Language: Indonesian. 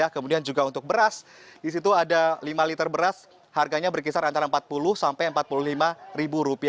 kemudian juga untuk beras di situ ada lima liter beras harganya berkisar antara rp empat puluh sampai rp empat puluh lima